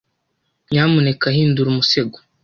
Nyamuneka hindura umusego.